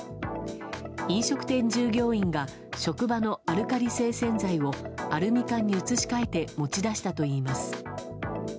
飲食店従業員が職場のアルカリ性洗剤をアルミ缶に移し替えて持ち出したといいます。